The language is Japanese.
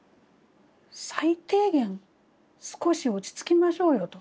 最低限少し落ち着きましょうよと。